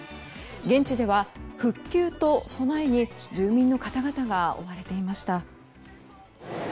現地では復旧と備えに住民の方々が追われていました。